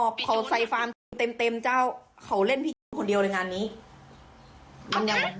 เขาใส่เต็มเต็มเจ้าเขาเล่นคนเดียวเลยงานนี้มันยัง